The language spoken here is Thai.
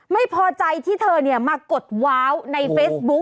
ไม่พอใจที่เธอมากดว้าวในเฟซบุ๊ค